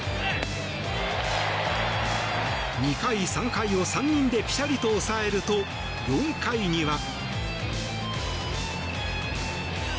２回、３回を３人でぴしゃりと抑えると４回には。